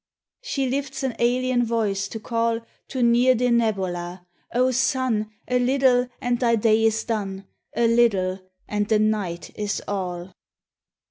She lifts an alien voice to call To near Denebola: "O sun! A little, and thy day is done, A little, and the Night is all."